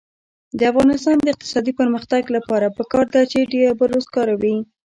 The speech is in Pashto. د افغانستان د اقتصادي پرمختګ لپاره پکار ده چې ډبرو سکاره وي.